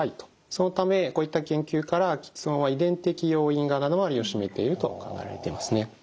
そのためこういった研究から吃音は遺伝的要因が７割を占めていると考えられていますね。